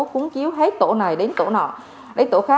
cúng chiếu theo từng tổ dân phố lực lượng y tế sẽ đến từng tổ dân phố